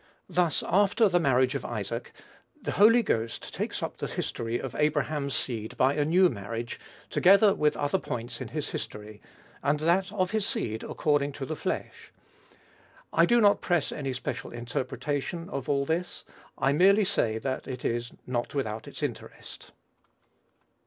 Thus, after the marriage of Isaac, the Holy Ghost takes up the history of Abraham's seed by a new marriage, together with other points in his history, and that of his seed according to the flesh. I do not press any special interpretation of all this: I merely say that it is not without its interest.